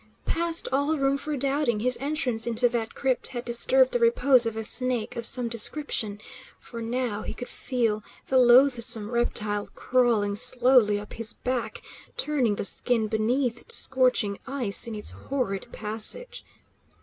Past all room for doubting, his entrance into that crypt had disturbed the repose of a snake of some description; for now he could feel the loathsome reptile crawling slowly up his back, turning the skin beneath to scorching ice in its horrid passage.